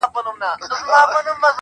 ځوان له ډيري ژړا وروسته څخه ريږدي_